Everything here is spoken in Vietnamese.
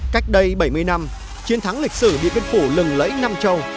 cách đây bảy mươi năm chiến thắng lịch sử điện biên phủ lừng lẫy nam châu